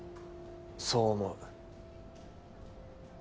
そう思う